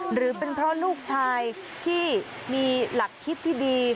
หรือเป็นเพราะลูกชายที่มีหลักคิดที่ดี